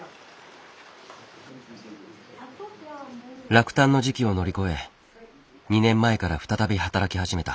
落胆の時期を乗り越え２年前から再び働き始めた。